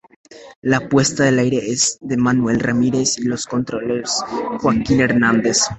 La puesta al aire es de Manuel Ramírez y en los controles Joaquín Hernández.